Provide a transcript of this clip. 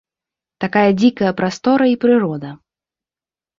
Такая дзікая прастора і прырода!